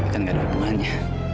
kan gak ada hubungannya